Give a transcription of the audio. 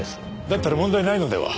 だったら問題ないのでは？